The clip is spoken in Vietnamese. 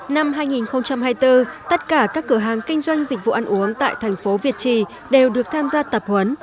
năm hai nghìn hai mươi bốn tất cả các cửa hàng kinh doanh dịch vụ ăn uống tại thành phố việt trì đều được tham gia tập huấn